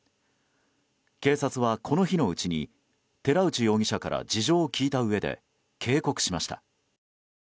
警察は、この日のうちに寺内容疑者から事情を聴いたうえで警告しました。